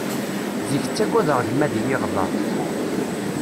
Zik ttaggadeɣ gma ad iyi-iɣdeṛ.